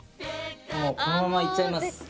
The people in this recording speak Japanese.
もうこのままいっちゃいます